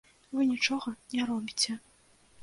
Вы нічога не робіце!